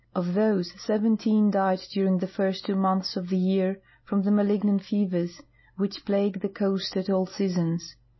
Of these, sev enteen died during the first two months of the year from the malignant fevers which plague the coast at all seasons.